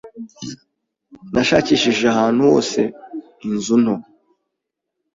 Nashakishije ahantu hose inzu nto.